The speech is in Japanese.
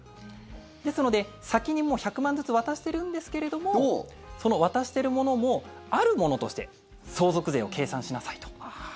ですので、先に１００万ずつ渡してるんですけれどもその渡しているものもあるものとして相続税を計算しなさいと。